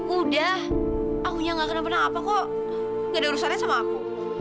udah akunya gak kena benang apa kok gak ada urusannya sama aku